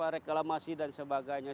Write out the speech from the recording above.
reklamasi dan sebagainya